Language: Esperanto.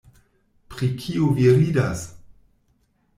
Pri kio vi ridas?